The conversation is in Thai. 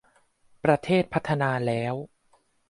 ประเทศพัฒนาแล้ว